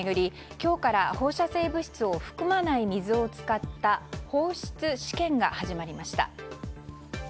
今日から放射性物質を含まない水を使った放出試験が始まりました。